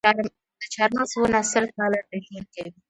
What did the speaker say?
د چهارمغز ونه سل کاله ژوند کوي؟